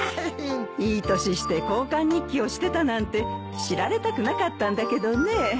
いい年して交換日記をしてたなんて知られたくなかったんだけどねぇ。